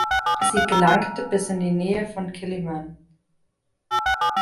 Sie gelangte bis in die Nähe von Quelimane.